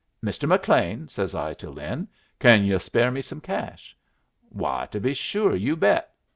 'Mr. McLean,' says I to Lin, 'can yu' spare me some cash?' 'Why, to be sure, you bet!'